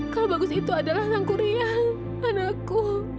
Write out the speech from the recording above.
kalau bagus itu adalah sangku rian anakku